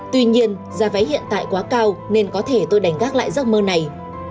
tuy nhiên giá vé hiện tại quá cao nên có thể tôi đánh gác lại giấc mơ này